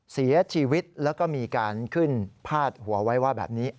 เสียชีวิตแล้วก็มีการขึ้นพาดหัวไว้ว่าแบบนี้